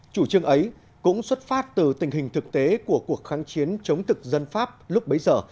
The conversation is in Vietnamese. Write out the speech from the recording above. chủ trương ấy cũng xuất phát từ tình hình thực tế của cuộc kháng chiến chống thực dân pháp lúc bấy giờ